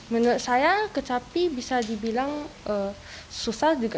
menurut saya kecapi bisa diperlukan untuk membuat kursus yang lebih mudah